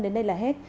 đến đây là hết